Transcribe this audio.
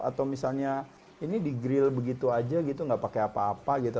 atau misalnya ini di grill begitu aja gitu nggak pakai apa apa gitu